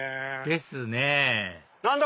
ですね何だ？